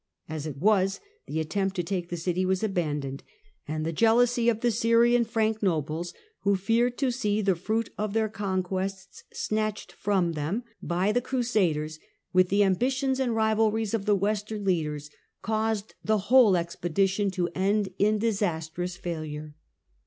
As it was, the attempt to take the city was abandoned, and the jealousy of the Syrian Frank nobles, who feared to see the fruit of their conquests snatched from them by THE COMNENI AND THE TWO FIRST CRUSADES 151 the Crusaders, with the ambitions and rivalries of the western leaders, caused the whole expedition to end in disastrous failure.